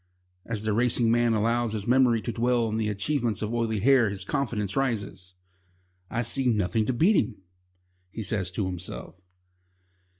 As the racing man allows his memory to dwell on the achievements of Oily Hair his confidence rises. "I see nothing to beat him," he says to himself.